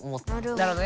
なるほどね。